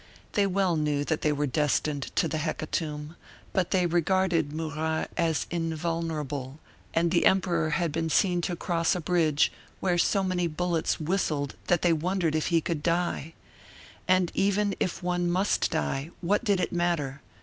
They well knew that they were destined to the hecatomb; but they regarded Murat as invulnerable, and the emperor had been seen to cross a bridge where so many bullets whistled that they wondered if he could die. And even if one must die, what did it matter?